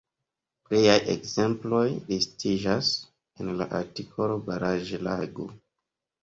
Pliaj ekzemploj listiĝas en la artikolo baraĵlago.